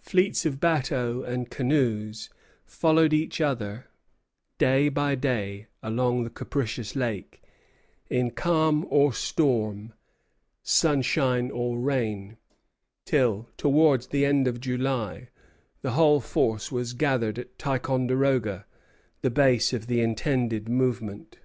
Fleets of bateaux and canoes followed each other day by day along the capricious lake, in calm or storm, sunshine or rain, till, towards the end of July, the whole force was gathered at Ticonderoga, the base of the intended movement.